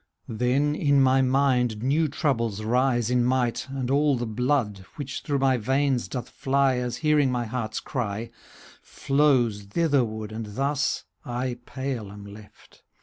Then in my mind new troubles rise in might, ^ And all the blood, which through my veins doth fly. As hearing my heart's cry. Flows thitherward, and thus I pale am left.